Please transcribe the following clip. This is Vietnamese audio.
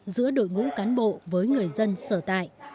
giữa đội ngũ cán bộ với người dân sở tại